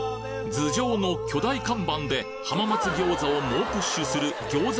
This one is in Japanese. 頭上の巨大看板で浜松餃子を猛プッシュする餃子